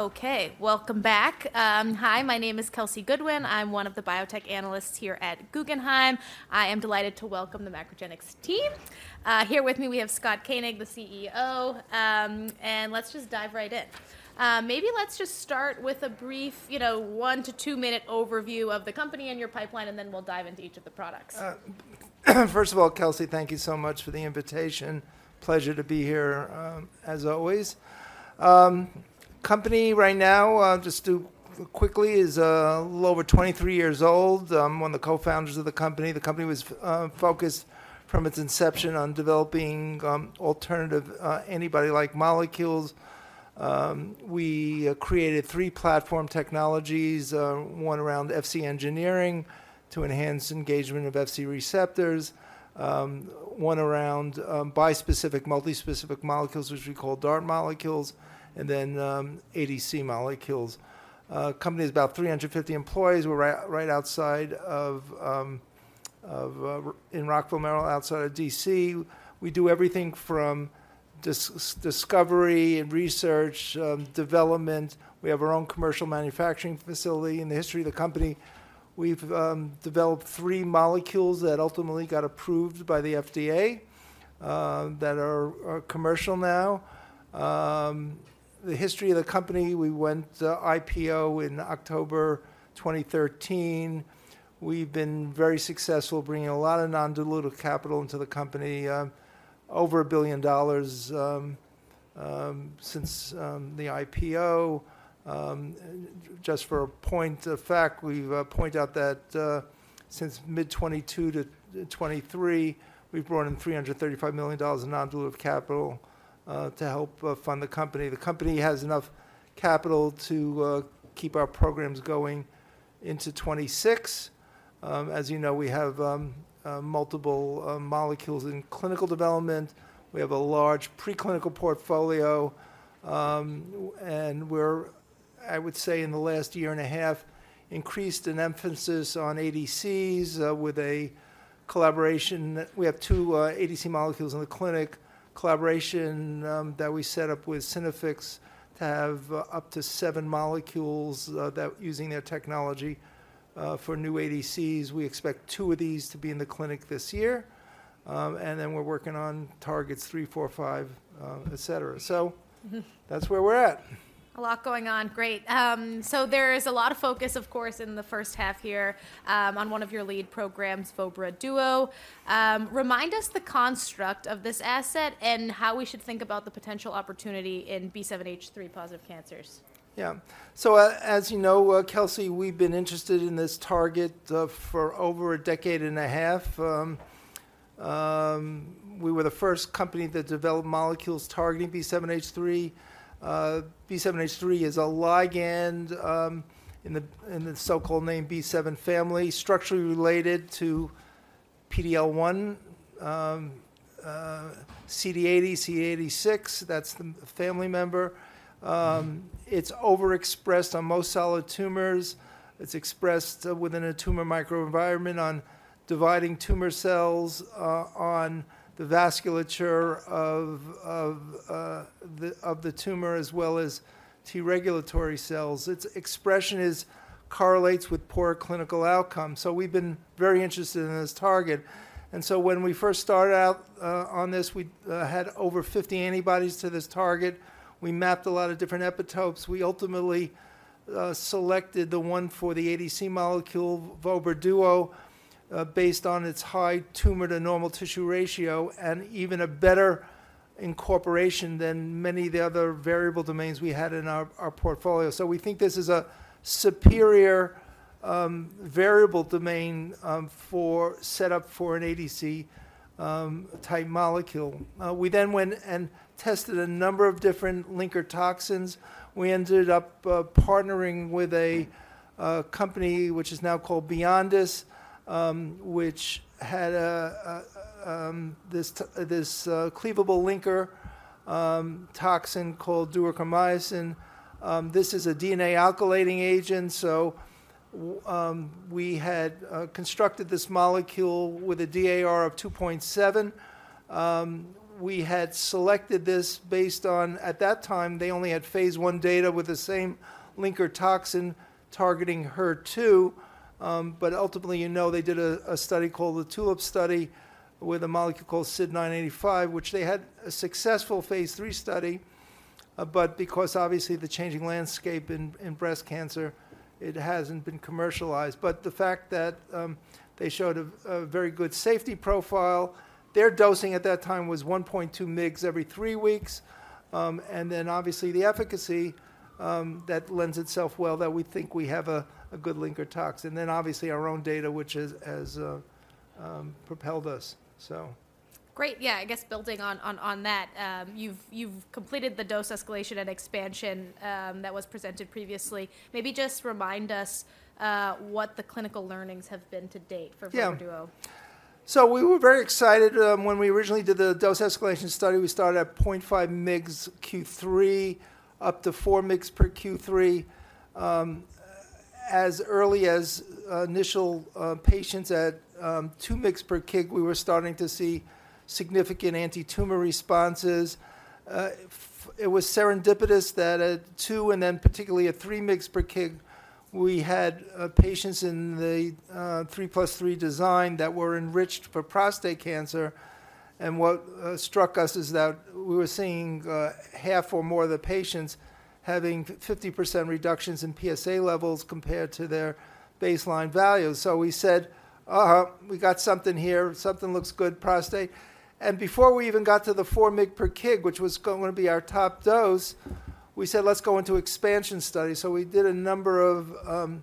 Okay, welcome back. Hi, my name is Kelsey Goodwin. I'm one of the biotech analysts here at Guggenheim. I am delighted to welcome the MacroGenics team. Here with me, we have Scott Koenig, the CEO. And let's just dive right in. Maybe let's just start with a brief, you know, one to two minute overview of the company and your pipeline, and then we'll dive into each of the products. First of all, Kelsey, thank you so much for the invitation. Pleasure to be here, as always. Company right now, I'll just do quickly, is a little over 23 years old. I'm one of the co-founders of the company. The company was focused from its inception on developing alternative antibody-like molecules. We created three platform technologies, one around Fc engineering to enhance engagement of Fc receptors, one around bispecific, multispecific molecules, which we call DART molecules, and then ADC molecules. Company is about 350 employees. We're right outside of Rockville, Maryland, outside of D.C. We do everything from discovery and research, development. We have our own commercial manufacturing facility. In the history of the company, we've developed three molecules that ultimately got approved by the FDA, that are commercial now. The history of the company, we went IPO in October 2013. We've been very successful, bringing a lot of non-dilutive capital into the company, over $1 billion, since the IPO. Just for a point of fact, we've pointed out that, since mid-2022 to 2023, we've brought in $335 million in non-dilutive capital, to help fund the company. The company has enough capital to keep our programs going into 2026. As you know, we have multiple molecules in clinical development. We have a large preclinical portfolio, and we're, I would say, in the last year and a half, increased in emphasis on ADCs, with a collaboration. We have two ADC molecules in the clinic, collaboration, that we set up with Synaffix to have up to seven molecules, that using their technology, for new ADCs. We expect two of these to be in the clinic this year, and then we're working on targets three, four, five, et cetera. So- Mm-hmm. that's where we're at. A lot going on. Great. So there is a lot of focus, of course, in the first half here, on one of your lead programs, vobra duo. Remind us the construct of this asset and how we should think about the potential opportunity in B7-H3 positive cancers. Yeah. So as you know, Kelsey, we've been interested in this target for over a decade and a half. We were the first company to develop molecules targeting B7-H3. B7-H3 is a ligand in the so-called B7 family, structurally related to PD-L1, CD80, CD86, that's the family member. It's overexpressed on most solid tumors. It's expressed within a tumor microenvironment on dividing tumor cells, on the vasculature of the tumor, as well as T regulatory cells. Its expression correlates with poor clinical outcome, so we've been very interested in this target. And so when we first started out on this, we had over 50 antibodies to this target. We mapped a lot of different epitopes. We ultimately selected the one for the ADC molecule, vobra duo, based on its high tumor-to-normal tissue ratio and even a better incorporation than many of the other variable domains we had in our portfolio. So we think this is a superior variable domain for setup for an ADC type molecule. We then went and tested a number of different linker toxins. We ended up partnering with a company which is now called Byondis, which had a this cleavable linker toxin called duocarmazine. This is a DNA alkylating agent, so we had constructed this molecule with a DAR of 2.7. We had selected this based on, at that time, they only had phase I data with the same linker toxin targeting HER2. But ultimately, you know, they did a study called the TULIP study, with a molecule called SYD985, which they had a successful phase 3 study, but because obviously, the changing landscape in breast cancer, it hasn't been commercialized. But the fact that they showed a very good safety profile, their dosing at that time was 1.2 mg every three weeks. And then, obviously, the efficacy, that lends itself well, that we think we have a good linker toxin, and then, obviously, our own data, which has propelled us, so. Great. Yeah, I guess building on that, you've completed the dose escalation and expansion that was presented previously. Maybe just remind us what the clinical learnings have been to date for vobra duo. Yeah. So we were very excited when we originally did the dose escalation study. We started at 0.5 mg Q3, up to 4 mg per Q3. As early as initial patients at 2 mg per kg, we were starting to see significant anti-tumor responses. It was serendipitous that at 2, and then particularly at 3 mg per kg, we had patients in the 3+3 design that were enriched for prostate cancer. And what struck us is that we were seeing half or more of the patients having 50% reductions in PSA levels compared to their baseline values. So we said, "Uh-huh, we got something here. Something looks good, prostate." And before we even got to the 4 mg per kg, which was going to be our top dose, we said, "Let's go into expansion study." So we did a number of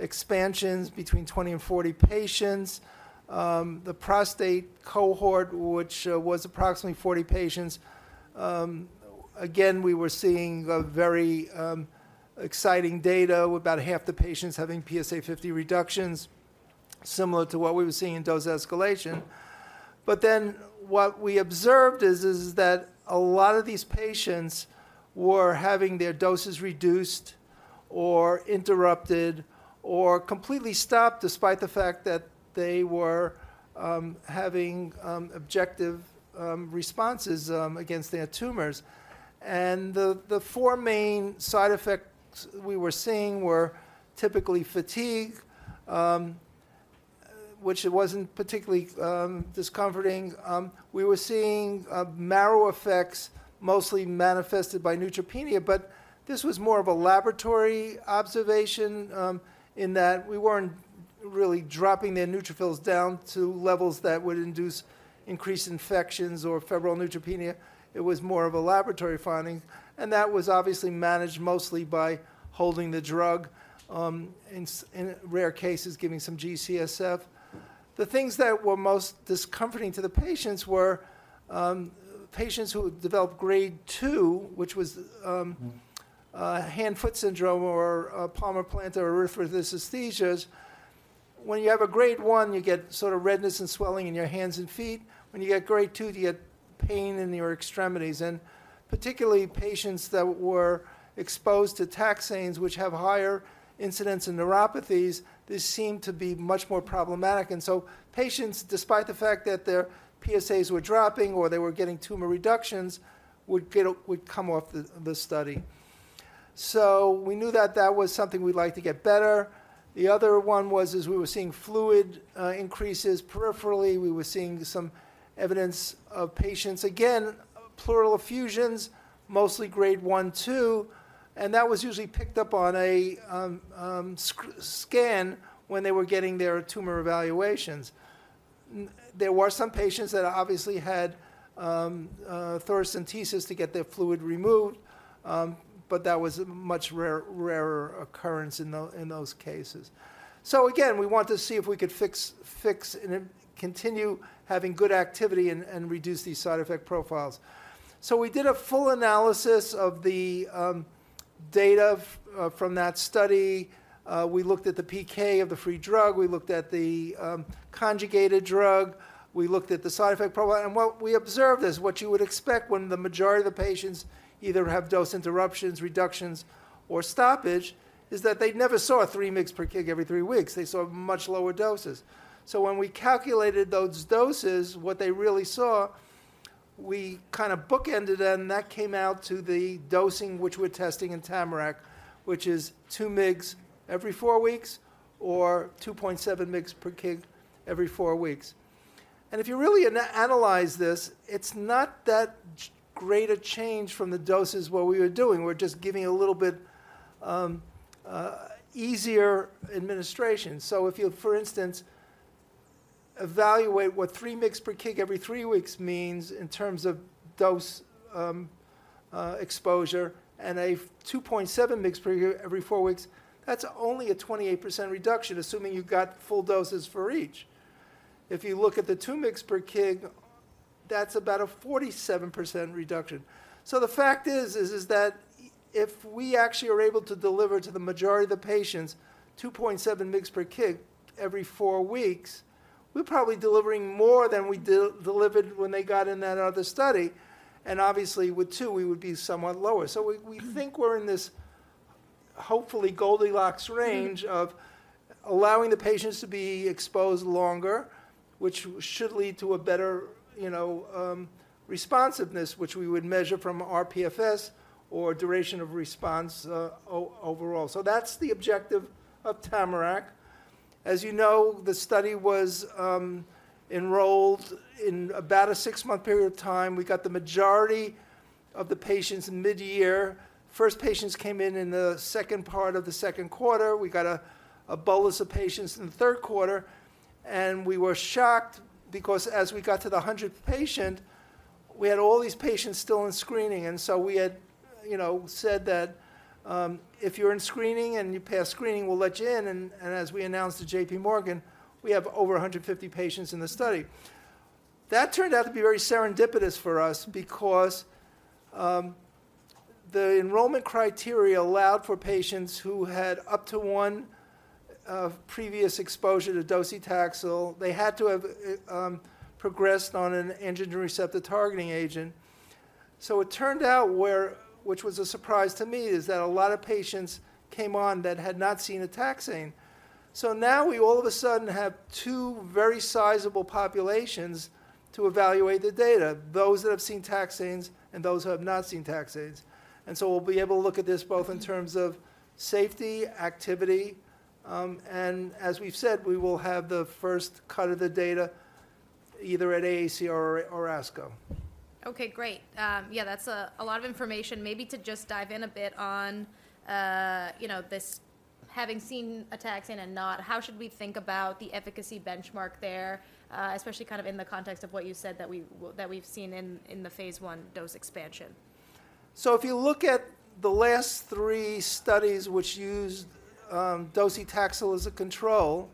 expansions between 20 and 40 patients. The prostate cohort, which was approximately 40 patients, again, we were seeing very exciting data, with about half the patients having PSA 50 reductions, similar to what we were seeing in dose escalation. But then, what we observed is that a lot of these patients were having their doses reduced, or interrupted, or completely stopped, despite the fact that they were having objective responses against their tumors. And the four main side effects we were seeing were typically fatigue, which it wasn't particularly discomforting. We were seeing marrow effects, mostly manifested by neutropenia, but this was more of a laboratory observation, in that we weren't really dropping their neutrophils down to levels that would induce increased infections or febrile neutropenia. It was more of a laboratory finding, and that was obviously managed mostly by holding the drug, in rare cases, giving some G-CSF. The things that were most discomforting to the patients were patients who developed Grade 2, which was hand-foot syndrome or palmar-plantar erythrodysesthesia. When you have a Grade 1, you get sort of redness and swelling in your hands and feet. When you get Grade 2, you get pain in your extremities. And particularly, patients that were exposed to taxanes, which have higher incidence in neuropathies, this seemed to be much more problematic. And so patients, despite the fact that their PSAs were dropping or they were getting tumor reductions, would come off the study. So we knew that that was something we'd like to get better. The other one was we were seeing fluid increases peripherally. We were seeing some evidence of patients, again, pleural effusions, mostly Grade 1, 2, and that was usually picked up on a scan when they were getting their tumor evaluations. There were some patients that obviously had thoracentesis to get their fluid removed, but that was a much rarer occurrence in those cases. So again, we wanted to see if we could fix and then continue having good activity and reduce these side effect profiles. So we did a full analysis of the data from that study. We looked at the PK of the free drug, we looked at the conjugated drug, we looked at the side effect profile. And what we observed is what you would expect when the majority of the patients either have dose interruptions, reductions, or stoppage, is that they never saw a 3 mg/kg every 3 weeks. They saw much lower doses. So when we calculated those doses, what they really saw, we kind of bookended them, and that came out to the dosing, which we're testing in TAMARACK, which is 2 mg every 4 weeks, or 2.7 mg/kg every 4 weeks. And if you really analyze this, it's not that great a change from the doses what we were doing. We're just giving a little bit easier administration. So if you, for instance, evaluate what 3 mg/kg every three weeks means in terms of dose, exposure, and a 2.7 mg/kg every four weeks, that's only a 28% reduction, assuming you got full doses for each. If you look at the 2 mg/kg, that's about a 47% reduction. So the fact is that if we actually are able to deliver to the majority of the patients 2.7 mg/kg every four weeks, we're probably delivering more than we delivered when they got in that other study, and obviously, with 2, we would be somewhat lower. So we think we're in this, hopefully, Goldilocks range... of allowing the patients to be exposed longer, which should lead to a better, you know, responsiveness, which we would measure from rPFS or duration of response, overall. So that's the objective of TAMARACK. As you know, the study was enrolled in about a six-month period of time. We got the majority of the patients in mid-year. First patients came in in the second part of the second quarter. We got a bolus of patients in the third quarter, and we were shocked, because as we got to the hundredth patient, we had all these patients still in screening. And so we had, you know, said that, "If you're in screening and you pass screening, we'll let you in." And as we announced to J.P. Morgan, we have over 150 patients in the study. That turned out to be very serendipitous for us, because the enrollment criteria allowed for patients who had up to one previous exposure to docetaxel. They had to have progressed on an androgen receptor targeting agent. So it turned out where, which was a surprise to me, is that a lot of patients came on that had not seen a taxane. So now we all of a sudden have two very sizable populations to evaluate the data, those that have seen taxanes and those who have not seen taxanes. And so we'll be able to look at this both in terms of safety, activity, and as we've said, we will have the first cut of the data either at AACR or ASCO. Okay, great. Yeah, that's a lot of information. Maybe to just dive in a bit on, you know, this having seen a taxane and not, how should we think about the efficacy benchmark there, especially kind of in the context of what you said that we've seen in the phase 1 dose expansion? So if you look at the last three studies which used docetaxel as a control,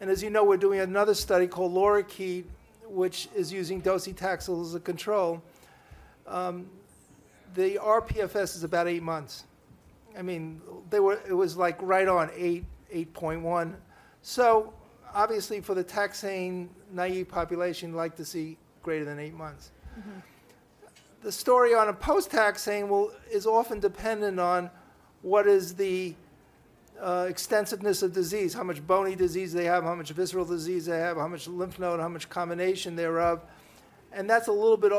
and as you know, we're doing another study called LORIKEET, which is using docetaxel as a control, the rPFS is about eight months. I mean, they were it was, like, right on eight, 8.1. So obviously, for the taxane-naive population, we like to see greater than eight months. Mm-hmm. The story on a post-taxane will is often dependent on what is the extensiveness of disease, how much bony disease they have, how much visceral disease they have, how much lymph node, how much combination thereof, and that's a little bit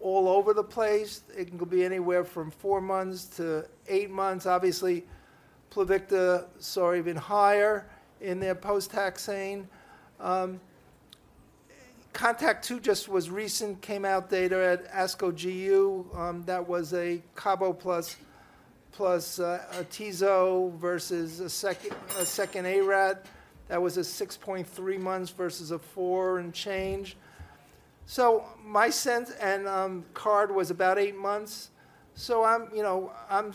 all over the place. It can go be anywhere from 4 months to 8 months. Obviously, Pluvicto saw even higher in their post-taxane. CONTACT-02 just was recent, came out data at ASCO GU. That was a Cabo plus plus Atezo versus a second ARAT. That was a 6.3 months versus a 4 and change. So my sense, and, CARD was about 8 months, so I'm, you know, I'm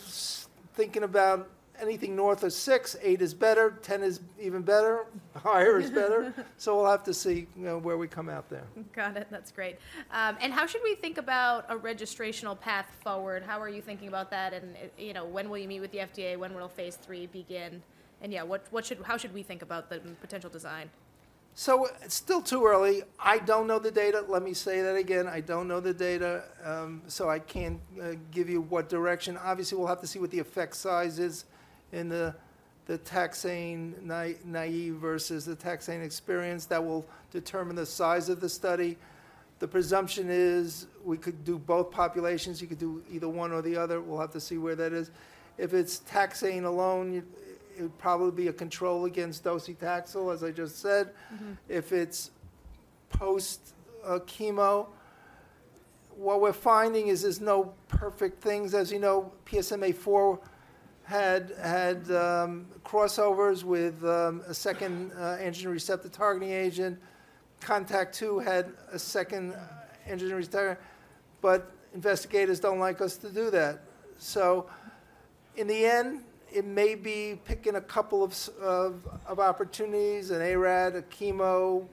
thinking about anything north of 6. 8 is better, 10 is even better, higher is better. So we'll have to see, you know, where we come out there. Got it. That's great. And how should we think about a registrational path forward? How are you thinking about that, and, you know, when will you meet with the FDA? When will phase 3 begin? And, yeah, how should we think about the potential design? It's still too early. I don't know the data. Let me say that again, I don't know the data, so I can't give you what direction. Obviously, we'll have to see what the effect size is in the taxane naive versus the taxane experience. That will determine the size of the study. The presumption is we could do both populations. You could do either one or the other. We'll have to see where that is. If it's taxane alone, it would probably be a control against docetaxel, as I just said. Mm-hmm. If it's post chemo, what we're finding is there's no perfect things. As you know, PSMAfore had crossovers with a second antigen receptor targeting agent. Cohort 2 had a second antigen receptor, but investigators don't like us to do that. So in the end, it may be picking a couple of sorts of opportunities, an ARAT, a chemo,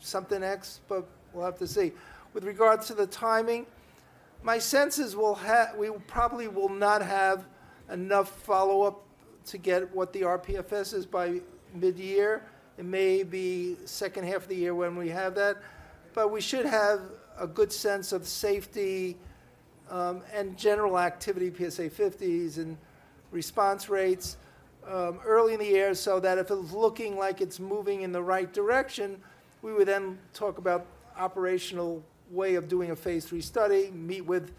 something x, but we'll have to see. With regards to the timing, my sense is we probably will not have enough follow-up to get what the rPFS is by mid-year. It may be second half of the year when we have that, but we should have a good sense of safety, and general activity, PSA 50s and response rates, early in the year, so that if it's looking like it's moving in the right direction, we would then talk about operational way of doing a phase 3 study, meet with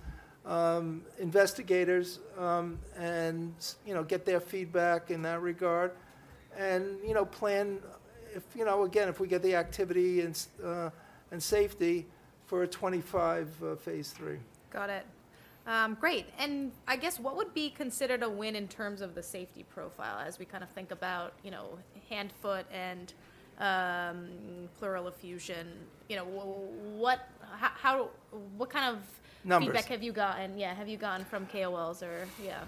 investigators, and, you know, get their feedback in that regard. And, you know, plan if, you know, again, if we get the activity and safety for a 25 phase 3. Got it. Great, and I guess what would be considered a win in terms of the safety profile as we kind of think about, you know, hand, foot, and pleural effusion? You know, what kind of- Numbers... feedback have you gotten? Yeah, have you gotten from KOLs or, yeah.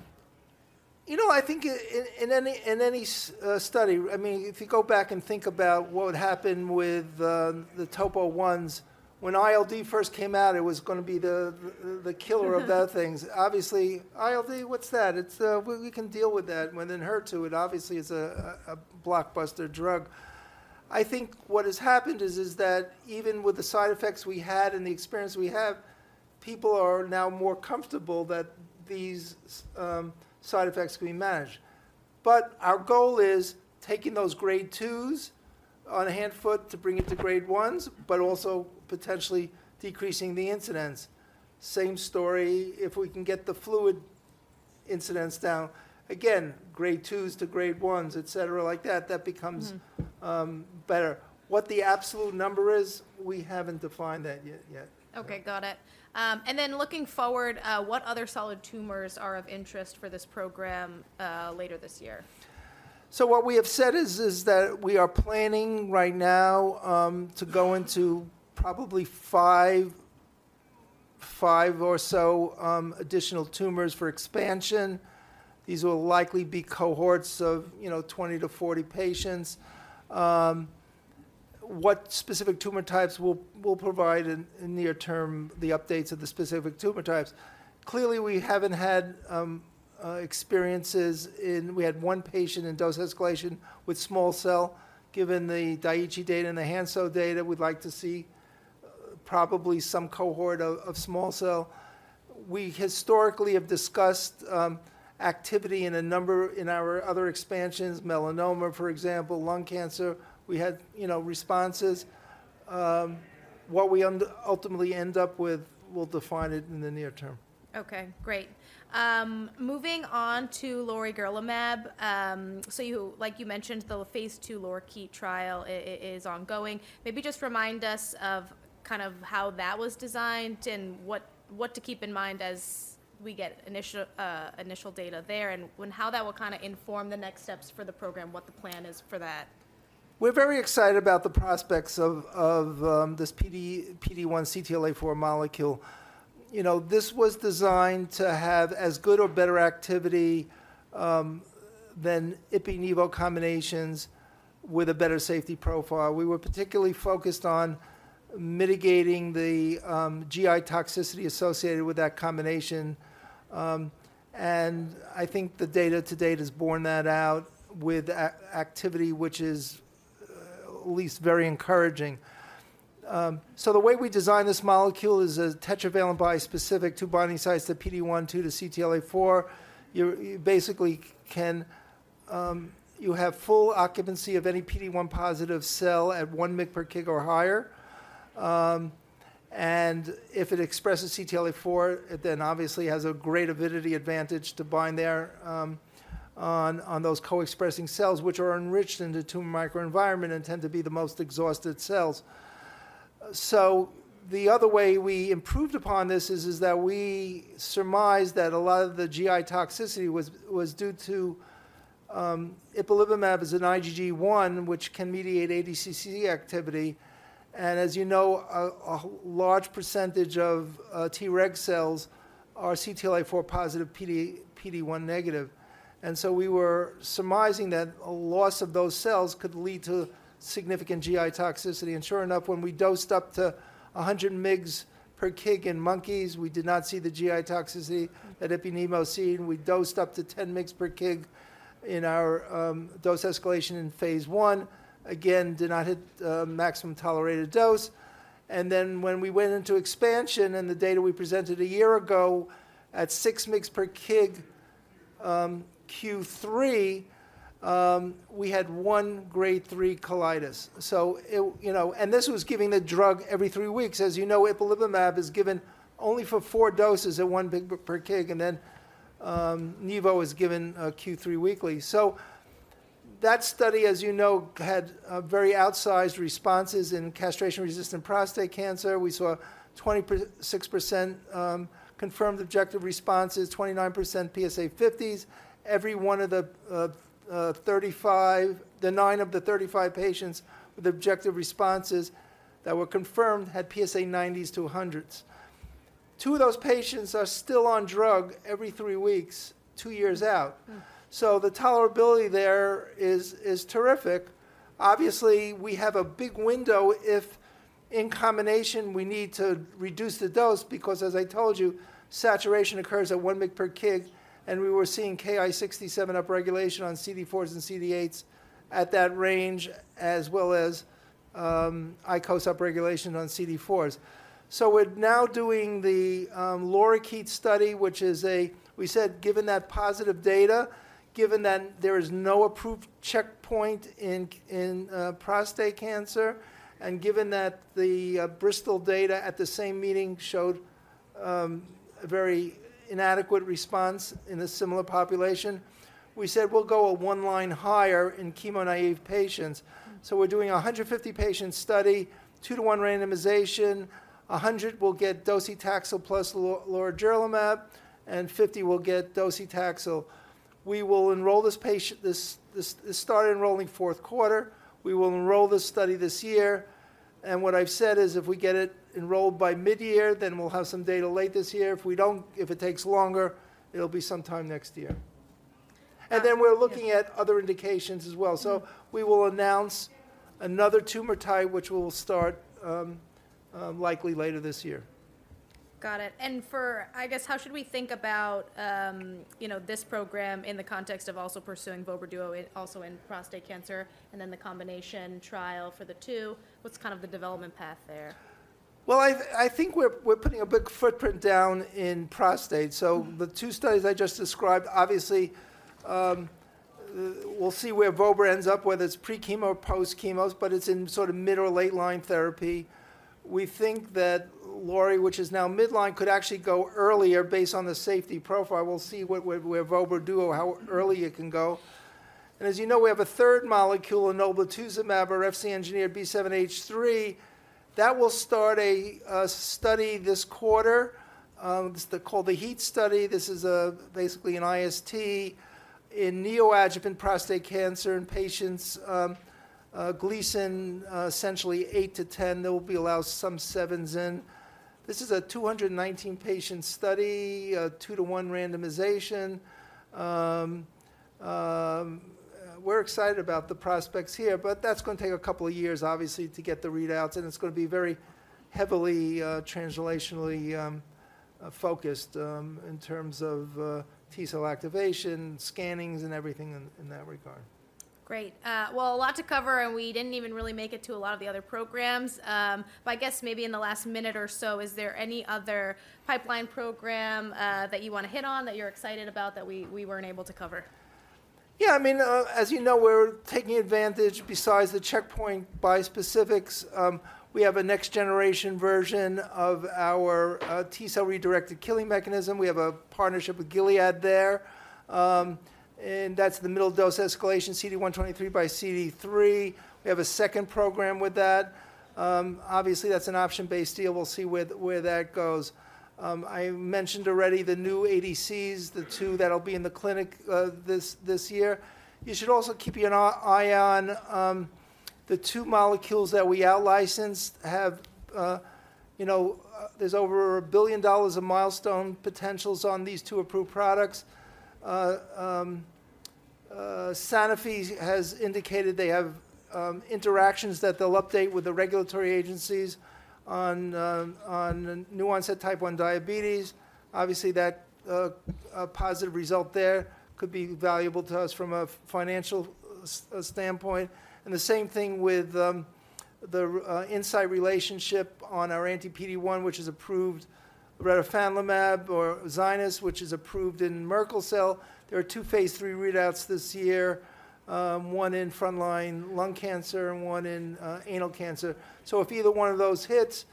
You know, I think in any study, I mean, if you go back and think about what happened with the T-DM1s, when ILD first came out, it was going to be the killer of bad things. Obviously, ILD, what's that? It's we can deal with that. When in HER2, it obviously is a blockbuster drug. I think what has happened is that even with the side effects we had and the experience we have, people are now more comfortable that these side effects can be managed. But our goal is taking those grade 2s on hand-foot to bring it to grade 1s, but also potentially decreasing the incidence. Same story, if we can get the fluid incidence down, again, grade 2s to grade 1s, et cetera, like that, that becomes- Mm-hmm... better. What the absolute number is, we haven't defined that yet. Okay, got it. And then looking forward, what other solid tumors are of interest for this program later this year? So what we have said is that we are planning right now to go into probably 5, 5 or so additional tumors for expansion. These will likely be cohorts of, you know, 20-40 patients. What specific tumor types? We'll provide in near term the updates of the specific tumor types... Clearly, we haven't had experiences in. We had 1 patient in dose escalation with small cell. Given the Daiichi data and the Hansoh data, we'd like to see probably some cohort of small cell. We historically have discussed activity in a number in our other expansions, melanoma, for example, lung cancer. We had, you know, responses. What we ultimately end up with, we'll define it in the near term. Okay, great. Moving on to lorigerlimab. So you-- like you mentioned, the phase II LORIKEET trial is ongoing. Maybe just remind us of kind of how that was designed and what, what to keep in mind as we get initial data there, and when-- how that will kind of inform the next steps for the program, what the plan is for that? We're very excited about the prospects of this PD-1 CTLA-4 molecule. You know, this was designed to have as good or better activity than Ipi-Nivo combinations with a better safety profile. We were particularly focused on mitigating the GI toxicity associated with that combination. And I think the data to date has borne that out with activity which is at least very encouraging. So the way we designed this molecule is a tetravalent bispecific, two binding sites, the PD-1, two, the CTLA-4. You have full occupancy of any PD-1 positive cell at 1 mg per kg or higher. And if it expresses CTLA-4, it then obviously has a great avidity advantage to bind there on those co-expressing cells, which are enriched in the tumor microenvironment and tend to be the most exhausted cells. So the other way we improved upon this is that we surmised that a lot of the GI toxicity was due to ipilimumab is an IgG1, which can mediate ADCC activity. And as you know, a large percentage of Treg cells are CTLA-4 positive, PD-1 negative. And so we were surmising that a loss of those cells could lead to significant GI toxicity. And sure enough, when we dosed up to 100 mg per kg in monkeys, we did not see the GI toxicity that Ipi-Nivo seen. We dosed up to 10 mg per kg in our dose escalation in phase I. Again, did not hit the maximum tolerated dose. And then when we went into expansion and the data we presented a year ago at 6 mg per kg, Q3, we had 1 Grade 3 colitis. So it, you know, and this was giving the drug every three weeks. As you know, ipilimumab is given only for four doses at one mg per kg, and then, Nivo is given, Q3 weekly. So that study, as you know, had very outsized responses in castration-resistant prostate cancer. We saw 26%, confirmed objective responses, 29% PSA fifties. Every one of the nine of the 35 patients with objective responses that were confirmed had PSA nineties to hundreds. Two of those patients are still on drug every three weeks, two years out. So the tolerability there is terrific. Obviously, we have a big window if in combination, we need to reduce the dose, because, as I told you, saturation occurs at 1 mg per kg, and we were seeing Ki-67 upregulation on CD4s and CD8s at that range, as well as ICOS upregulation on CD4s. So we're now doing the LORIKEET study, which is a—we said, given that positive data, given that there is no approved checkpoint in prostate cancer, and given that the Bristol data at the same meeting showed a very inadequate response in a similar population, we said we'll go a one line higher in chemo-naive patients. So we're doing a 150-patient study, 2-to-1 randomization. 100 will get docetaxel plus lorigerlimab, and 50 will get docetaxel. We will start enrolling fourth quarter. We will enroll this study this year, and what I've said is if we get it enrolled by mid-year, then we'll have some data late this year. If we don't, if it takes longer, it'll be sometime next year. Um- We're looking at other indications as well. Mm-hmm. We will announce another tumor type, which we will start, likely later this year. Got it. And for... I guess, how should we think about, you know, this program in the context of also pursuing vobra duo, also in prostate cancer, and then the combination trial for the two? What's kind of the development path there? Well, I think we're putting a big footprint down in prostate. Mm-hmm. So the two studies I just described, obviously, we'll see where Vobra ends up, whether it's pre-chemo or post-chemos, but it's in sort of mid or late-line therapy. We think that LORI, which is now mid-line, could actually go earlier based on the safety profile. We'll see with VOBURDUO how early it can go. And as you know, we have a third molecule, enoblituzumab, or Fc-engineered B7-H3. That will start a study this quarter, it's called the HEAT study. This is basically an IST in neoadjuvant prostate cancer in patients Gleason essentially 8-10. There will be allowed some sevens in. This is a 219-patient study, 2-to-1 randomization. We're excited about the prospects here, but that's gonna take a couple of years, obviously, to get the readouts, and it's gonna be very heavily translationally focused in terms of T-cell activation, scannings, and everything in that regard. Great. Well, a lot to cover, and we didn't even really make it to a lot of the other programs. But I guess maybe in the last minute or so, is there any other pipeline program that you wanna hit on, that you're excited about, that we weren't able to cover? Yeah, I mean, as you know, we're taking advantage besides the checkpoint bispecifics, we have a next generation version of our, T-cell redirected killing mechanism. We have a partnership with Gilead there. And that's the middle dose escalation CD123 by CD3. We have a second program with that. Obviously, that's an option-based deal. We'll see where that goes. I mentioned already the new ADCs, the two that'll be in the clinic, this year. You should also keep an eye on the two molecules that we outlicensed, have... You know, there's over $1 billion of milestone potentials on these two approved products. Sanofi has indicated they have interactions that they'll update with the regulatory agencies on, on the new onset Type 1 diabetes. Obviously, that a positive result there could be valuable to us from a financial standpoint. The same thing with the Incyte relationship on our anti-PD-1, which is approved, ZYNYZ, which is approved in Merkel cell. There are two phase 3 readouts this year, one in front line lung cancer and one in anal cancer. If either one of those hits,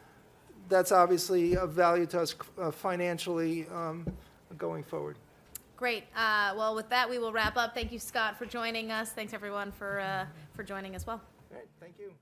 that's obviously of value to us financially going forward. Great. Well, with that, we will wrap up. Thank you, Scott, for joining us. Thanks, everyone, for joining as well. Great. Thank you!